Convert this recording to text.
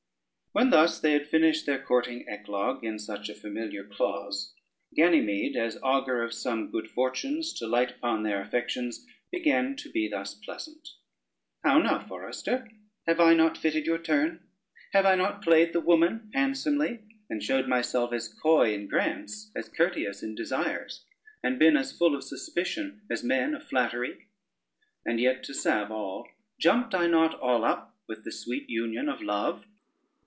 When thus they had finished their courting eclogue in such a familiar clause, Ganymede, as augur of some good fortunes to light upon their affections, began to be thus pleasant: "How now, forester, have I not fitted your turn? have I not played the woman handsomely, and showed myself as coy in grants as courteous in desires, and been as full of suspicion as men of flattery? and yet to salve all, jumped I not all up with the sweet union of love?